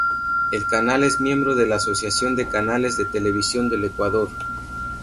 El canal es miembro de la Asociación de Canales de Televisión del Ecuador.